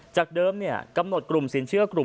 จากเดิมกำหนดกลุ่มสินเชื่อกลุ่ม